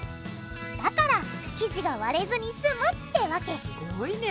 だから生地が割れずに済むってわけすごいね！